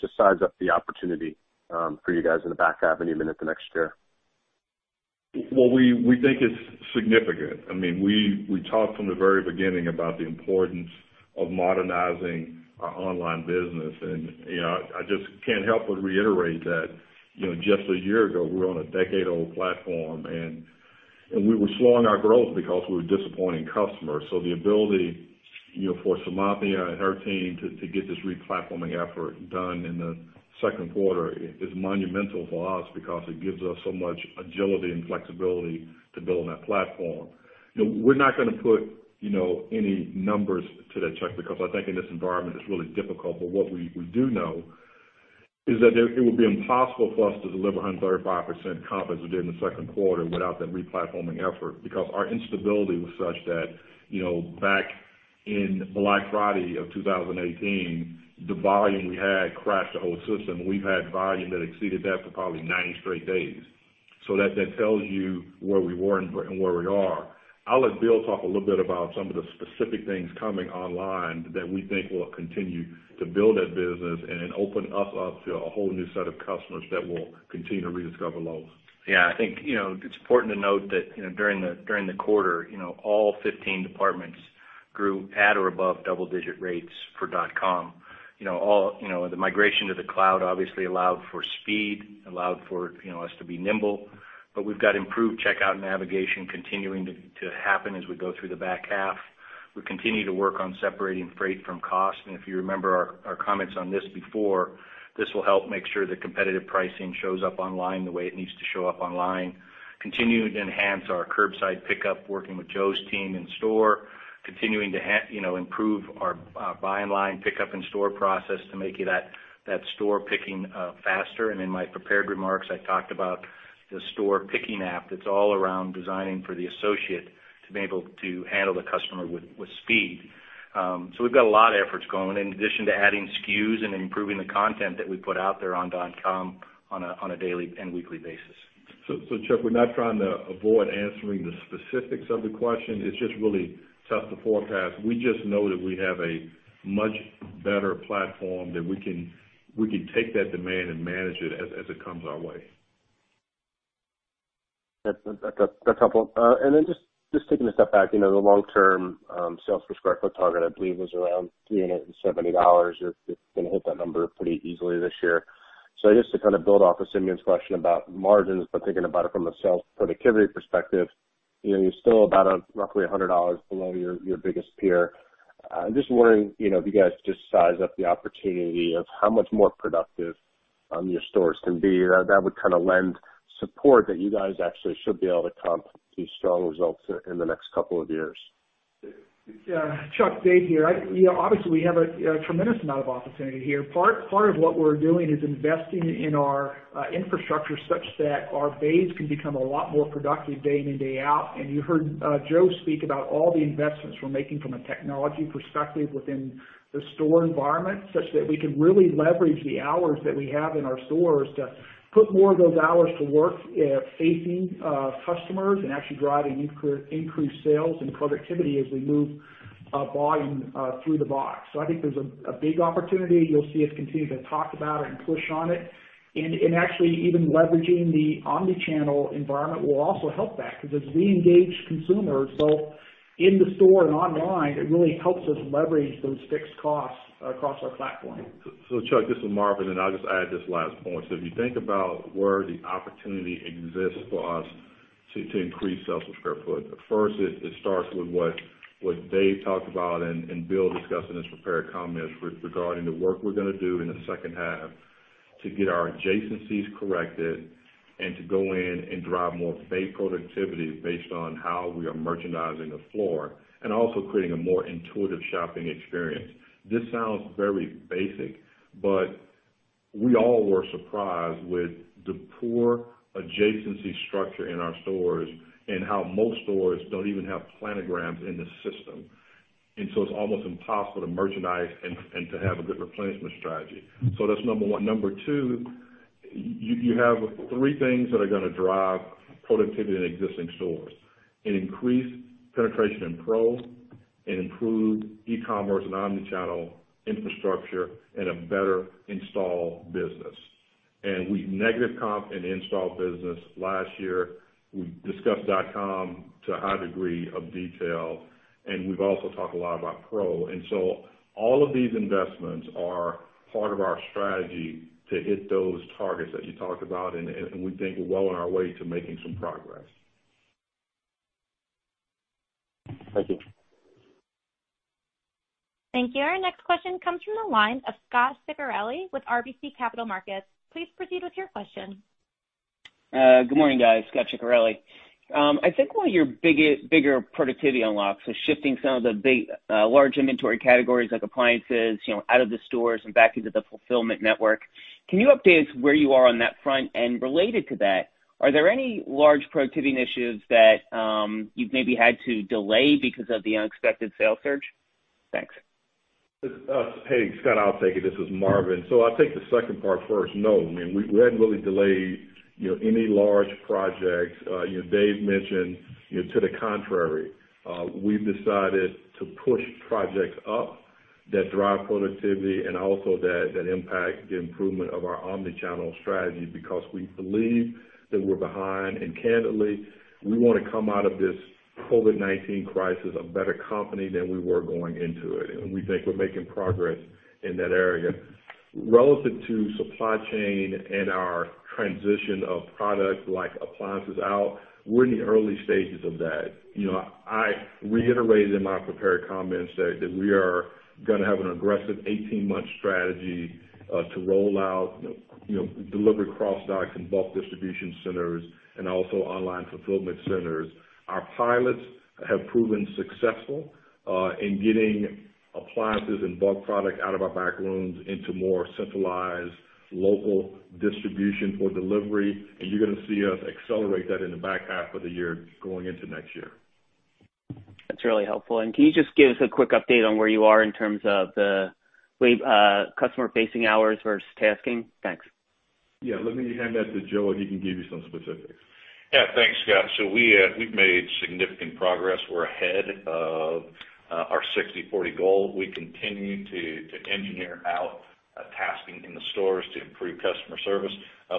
just size up the opportunity for you guys in the back half and even into next year? Well, we think it's significant. We talked from the very beginning about the importance of modernizing our online business. I just can't help but reiterate that just a year ago, we were on a decade-old platform, and we were slowing our growth because we were disappointing customers. The ability for Seemantini and her team to get this re-platforming effort done in the second quarter is monumental for us because it gives us so much agility and flexibility to build on that platform. We're not going to put any numbers to that, Chuck, because I think in this environment, it's really difficult. What we do know is that it would be impossible for us to deliver 135% comp, as we did in the second quarter, without that re-platforming effort. Our instability was such that back in Black Friday of 2018, the volume we had crashed the whole system. We've had volume that exceeded that for probably 90 straight days. That tells you where we were and where we are. I'll let Bill talk a little bit about some of the specific things coming online that we think will continue to build that business and open us up to a whole new set of customers that will continue to rediscover Lowe's. Yeah, I think it's important to note that during the quarter, all 15 departments grew at or above double-digit rates for .com. The migration to the cloud obviously allowed for speed, allowed for us to be nimble. We've got improved checkout navigation continuing to happen as we go through the back half. We continue to work on separating freight from cost. If you remember our comments on this before, this will help make sure the competitive pricing shows up online the way it needs to show up online. Continuing to enhance our curbside pickup, working with Joe's team in store, continuing to improve our buy online, pickup in store process to make that store picking faster. In my prepared remarks, I talked about the store picking app that's all around designing for the associate to be able to handle the customer with speed. We've got a lot of efforts going, in addition to adding SKUs and improving the content that we put out there on .com on a daily and weekly basis. Chuck, we're not trying to avoid answering the specifics of the question. It's just really tough to forecast. We just know that we have a much better platform, that we can take that demand and manage it as it comes our way. Then just taking a step back, the long-term sales per square foot target, I believe, was around $370. You're going to hit that number pretty easily this year. Just to build off of Simeon's question about margins, but thinking about it from a sales productivity perspective, you're still about roughly $100 below your biggest peer. I'm just wondering if you guys just size up the opportunity of how much more productive your stores can be, that would lend support that you guys actually should be able to comp these strong results in the next couple of years. Chuck, Dave here. Obviously, we have a tremendous amount of opportunity here. Part of what we're doing is investing in our infrastructure such that our base can become a lot more productive day in, day out. You heard Joe speak about all the investments we're making from a technology perspective within the store environment, such that we can really leverage the hours that we have in our stores to put more of those hours to work facing customers and actually driving increased sales and productivity as we move volume through the box. I think there's a big opportunity. You'll see us continue to talk about it and push on it. Actually, even leveraging the omni-channel environment will also help that, because as we engage consumers both in the store and online, it really helps us leverage those fixed costs across our platform. Chuck, this is Marvin, and I'll just add this last point. If you think about where the opportunity exists for us to increase sales per square foot, first it starts with what Dave talked about and Bill discussed in his prepared comments regarding the work we're going to do in the second half to get our adjacencies corrected and to go in and drive more space productivity based on how we are merchandising the floor and also creating a more intuitive shopping experience. This sounds very basic, but we all were surprised with the poor adjacency structure in our stores and how most stores don't even have planograms in the system. It's almost impossible to merchandise and to have a good replacement strategy. That's number one. Number two, you have three things that are going to drive productivity in existing stores. An increased penetration in Pro, an improved e-commerce and omni-channel infrastructure, and a better install business. We negative comp in install business last year. We discussed Lowes.com to a high degree of detail, and we've also talked a lot about Pro. All of these investments are part of our strategy to hit those targets that you talked about, and we think we're well on our way to making some progress. Thank you. Thank you. Our next question comes from the line of Scot Ciccarelli with RBC Capital Markets, please proceed with your question. Good morning guys? Scot Ciccarelli. I think one of your bigger productivity unlocks is shifting some of the large inventory categories like appliances out of the stores and back into the fulfillment network. Can you update us where you are on that front? Related to that, are there any large productivity initiatives that you've maybe had to delay because of the unexpected sales surge? Thanks. Hey, Scot, I'll take it. This is Marvin. I'll take the second part first. No, we hadn't really delayed any large projects. Dave mentioned to the contrary. We've decided to push projects up that drive productivity and also that impact the improvement of our omni-channel strategy because we believe that we're behind, and candidly, we want to come out of this COVID-19 crisis a better company than we were going into it, and we think we're making progress in that area. Relative to supply chain and our transition of product like appliances out, we're in the early stages of that. I reiterated in my prepared comments today that we are going to have an aggressive 18-month strategy to roll out delivery cross-dock and bulk distribution centers and also online fulfillment centers. Our pilots have proven successful in getting appliances and bulk product out of our back rooms into more centralized local distribution for delivery. You're going to see us accelerate that in the back half of the year going into next year. That's really helpful. Can you just give us a quick update on where you are in terms of the customer-facing hours versus tasking? Thanks. Yeah. Let me hand that to Joe, and he can give you some specifics. Yeah, thanks, Scot. We've made significant progress. We're ahead of our 60/40 goal. We continue to engineer out tasking in the stores to improve customer service.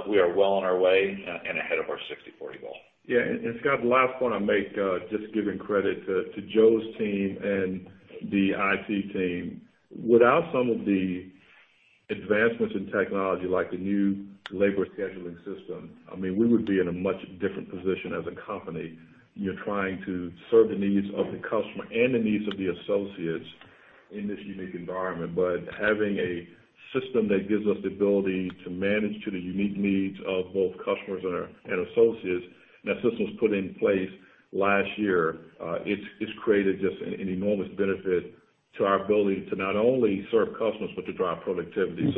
We are well on our way and ahead of our 60/40 goal. Scot, the last point I'll make, just giving credit to Joe's team and the Information Technology team. Without some of the advancements in technology, like the new labor scheduling system, we would be in a much different position as a company. You're trying to serve the needs of the customer and the needs of the associates in this unique environment. Having a system that gives us the ability to manage to the unique needs of both customers and associates, and that system was put in place last year, it's created just an enormous benefit to our ability to not only serve customers but to drive productivity.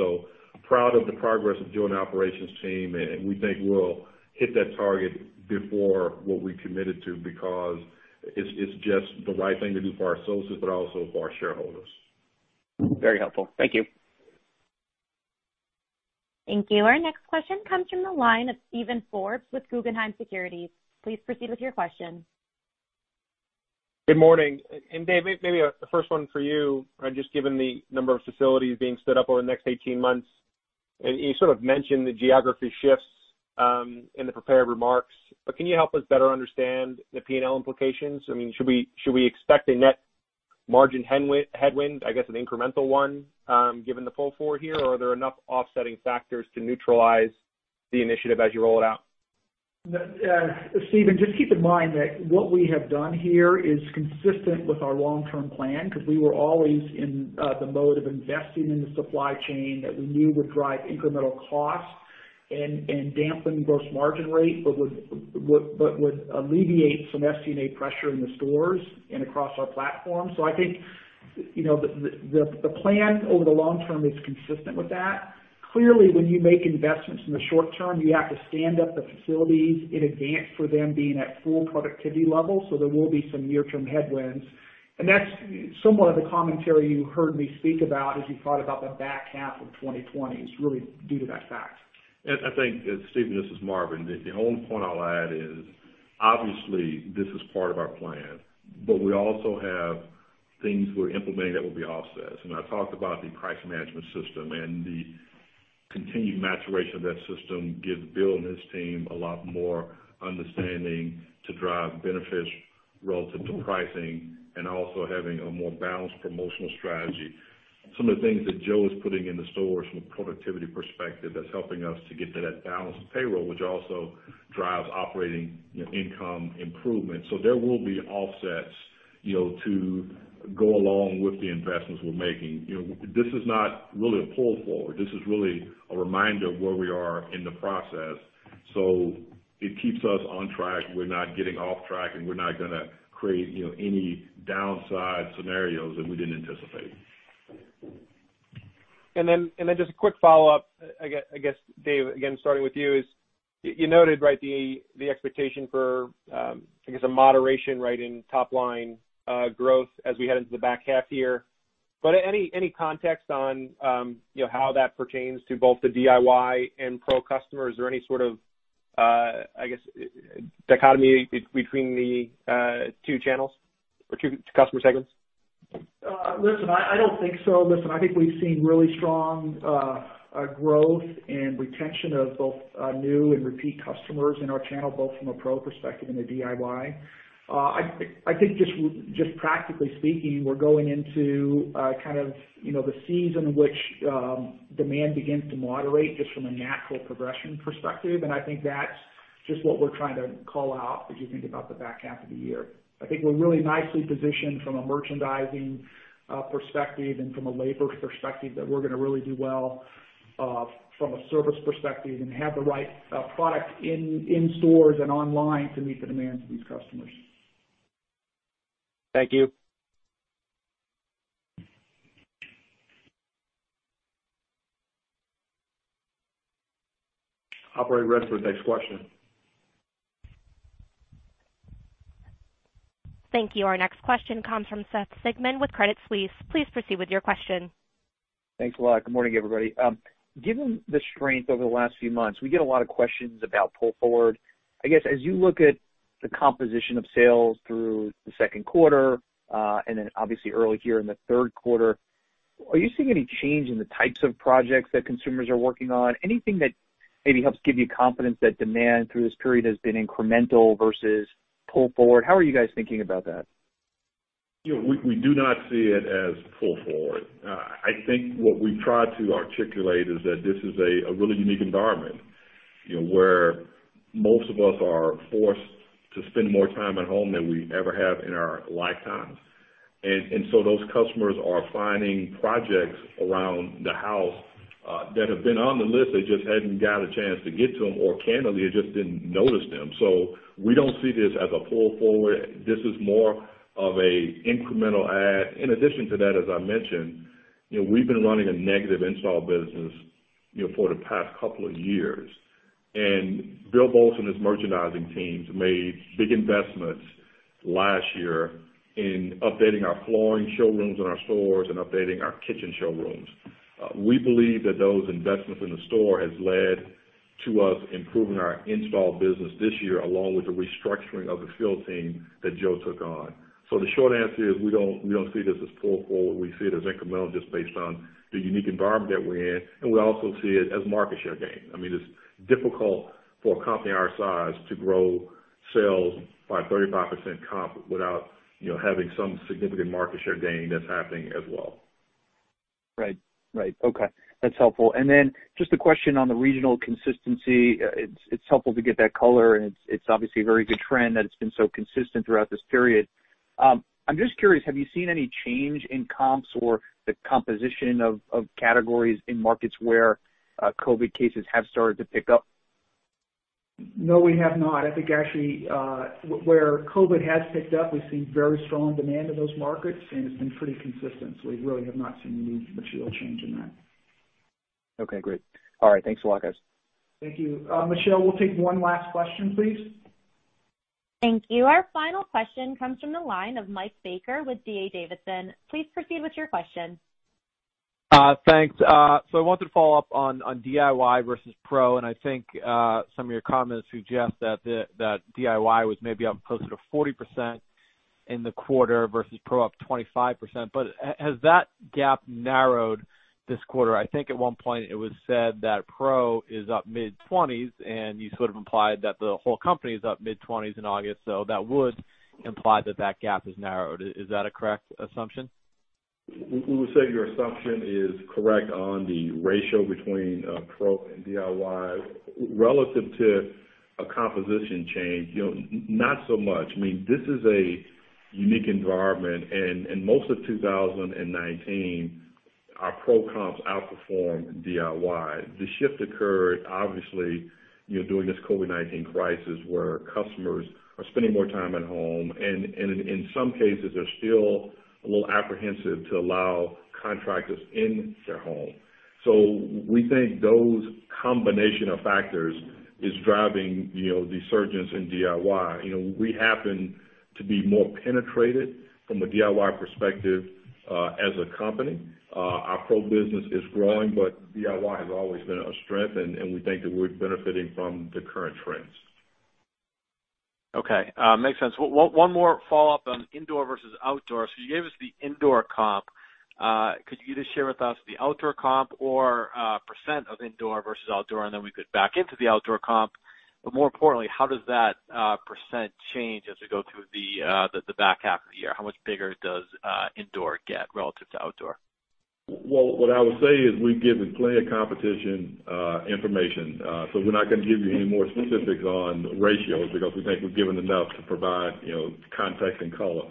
Proud of the progress of Joe and the operations team, and we think we'll hit that target before what we committed to because it's just the right thing to do for our associates, but also for our shareholders. Very helpful. Thank you. Thank you. Our next question comes from the line of Steven Forbes with Guggenheim Securities, please proceed with your question. Good morning? Dave, maybe the first one for you. Just given the number of facilities being stood up over the next 18 months, and you sort of mentioned the geography shifts in the prepared remarks, but can you help us better understand the P&L implications? Should we expect a net margin headwind, I guess, an incremental one, given the pull forward here? Or are there enough offsetting factors to neutralize the initiative as you roll it out? Steven, just keep in mind that what we have done here is consistent with our long-term plan because we were always in the mode of investing in the supply chain that we knew would drive incremental cost and dampen gross margin rate, but would alleviate some SG&A pressure in the stores and across our platform. I think the plan over the long term is consistent with that. Clearly, when you make investments in the short term, you have to stand up the facilities in advance for them being at full productivity level. There will be some near-term headwinds, and that's somewhat of the commentary you heard me speak about as you thought about the back half of 2020. It's really due to that fact. I think, Steven, this is Marvin. The only point I'll add is, obviously, this is part of our plan, but we also have things we're implementing that will be offsets. I talked about the price management system and the continued maturation of that system gives Bill and his team a lot more understanding to drive benefits relative to pricing and also having a more balanced promotional strategy. Some of the things that Joe is putting in the stores from a productivity perspective that's helping us to get to that balanced payroll, which also drives operating income improvement. There will be offsets to go along with the investments we're making. This is not really a pull forward. This is really a reminder of where we are in the process. It keeps us on track. We're not getting off track, and we're not going to create any downside scenarios that we didn't anticipate. Just a quick follow-up. I guess, Dave, again, starting with you, is you noted, right, the expectation for, I guess, a moderation in top-line growth as we head into the back half year. Any context on how that pertains to both the DIY and Pro customer? Is there any sort of, I guess, dichotomy between the two channels or two customer segments? Listen, I don't think so. Listen, I think we've seen really strong growth and retention of both new and repeat customers in our channel, both from a Pro perspective and a DIY. I think just practically speaking, we're going into kind of the season which demand begins to moderate just from a natural progression perspective, I think that's just what we're trying to call out as you think about the back half of the year. I think we're really nicely positioned from a merchandising perspective and from a labor perspective that we're going to really do well from a service perspective and have the right product in stores and online to meet the demands of these customers. Thank you. Operator, ready for the next question. Thank you. Our next question comes from Seth Sigman with Credit Suisse, please proceed with your question. Thanks a lot. Good morning everybody? Given the strength over the last few months, we get a lot of questions about pull forward. I guess, as you look at the composition of sales through the second quarter, and then obviously early here in the third quarter, are you seeing any change in the types of projects that consumers are working on? Anything that maybe helps give you confidence that demand through this period has been incremental versus pull forward? How are you guys thinking about that? We do not see it as pull forward. I think what we've tried to articulate is that this is a really unique environment, where most of us are forced to spend more time at home than we ever have in our lifetimes. Those customers are finding projects around the house that have been on the list, they just hadn't got a chance to get to them, or candidly, they just didn't notice them. We don't see this as a pull forward. This is more of an incremental add. In addition to that, as I mentioned, we've been running a negative install business for the past couple of years. Bill Boltz, his merchandising teams, made big investments last year in updating our flooring showrooms in our stores and updating our kitchen showrooms. We believe that those investments in the store has led to us improving our install business this year, along with the restructuring of the field team that Joe took on. The short answer is, we don't see this as pull forward. We see it as incremental just based on the unique environment that we're in, and we also see it as market share gain. It's difficult for a company our size to grow sales by 35% comp without having some significant market share gain that's happening as well. Right. Okay. That's helpful. Just a question on the regional consistency. It's helpful to get that color, and it's obviously a very good trend that it's been so consistent throughout this period. I'm just curious, have you seen any change in comps or the composition of categories in markets where COVID cases have started to pick up? No, we have not. I think actually, where COVID has picked up, we've seen very strong demand in those markets, and it's been pretty consistent. We really have not seen any material change in that. Okay, great. All right. Thanks a lot, guys. Thank you. Michelle, we'll take one last question, please. Thank you. Our final question comes from the line of Mike Baker with D.A. Davidson, please proceed with your question. Thanks. I wanted to follow up on DIY versus Pro, and I think, some of your comments suggest that DIY was maybe up closer to 40% in the quarter versus Pro up 25%. Has that gap narrowed this quarter? I think at one point it was said that Pro is up mid-20s%, and you sort of implied that the whole company is up mid-20s% in August, so that would imply that that gap has narrowed. Is that a correct assumption? We would say your assumption is correct on the ratio between Pro and DIY. Relative to a composition change, not so much. This is a unique environment, and most of 2019, our Pro comps outperformed DIY. The shift occurred, obviously, during this COVID-19 crisis, where customers are spending more time at home, and in some cases, they're still a little apprehensive to allow contractors in their home. We think those combination of factors is driving the surgence in DIY. We happen to be more penetrated from a DIY perspective, as a company. Our Pro business is growing, but DIY has always been our strength, and we think that we're benefiting from the current trends. Okay. Makes sense. One more follow-up on indoor versus outdoor. You gave us the indoor comp. Could you either share with us the outdoor comp or percent of indoor versus outdoor, and then we could back into the outdoor comp? More importantly, how does that percent change as we go through the back half of the year? How much bigger does indoor get relative to outdoor? Well, what I would say is we've given plenty of competition information. We're not going to give you any more specifics on ratios because we think we've given enough to provide context and color.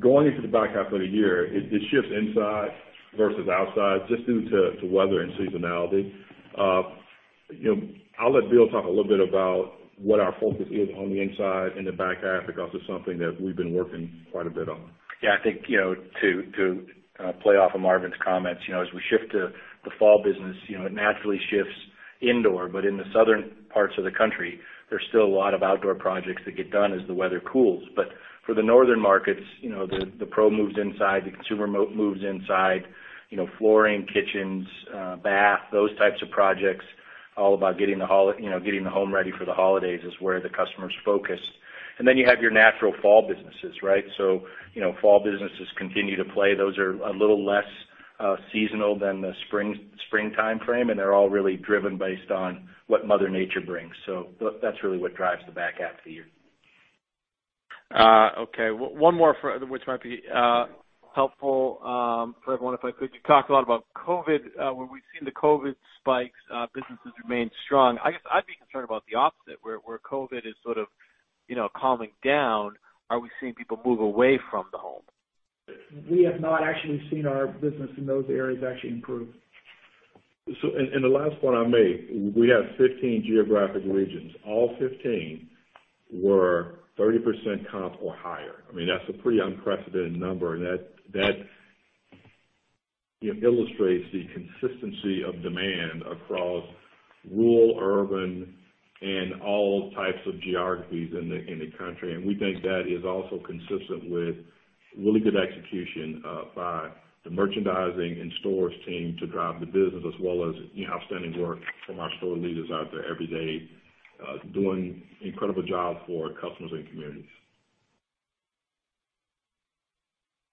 Going into the back half of the year, it shifts inside versus outside just due to weather and seasonality. I'll let Bill talk a little bit about what our focus is on the inside in the back half because it's something that we've been working quite a bit on. Yeah, I think to play off of Marvin's comments, as we shift to the fall business, it naturally shifts indoor. In the southern parts of the country, there's still a lot of outdoor projects that get done as the weather cools. For the northern markets, the Pro moves inside, the consumer moves inside. Flooring, kitchens, bath, those types of projects, all about getting the home ready for the holidays is where the customer's focused. You have your natural fall businesses, right? Fall businesses continue to play. Those are a little less seasonal than the spring timeframe, and they're all really driven based on what Mother Nature brings. That's really what drives the back half of the year. Okay. One more for everyone, if I could. You talked a lot about COVID. Where we've seen the COVID spikes, businesses remain strong. I guess I'd be concerned about the opposite, where COVID is sort of calming down. Are we seeing people move away from the home? We have not actually seen our business in those areas actually improve. The last point I'll make, we have 15 geographic regions. All 15 were 30% comp or higher. That's a pretty unprecedented number, and that illustrates the consistency of demand across rural, urban, and all types of geographies in the country. We think that is also consistent with really good execution by the merchandising and stores team to drive the business as well as outstanding work from our store leaders out there every day, doing incredible job for customers and communities.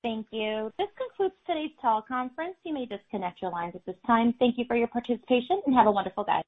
Thank you. This concludes today's teleconference, you may disconnect your lines at this time. Thank you for your participation, and have a wonderful day.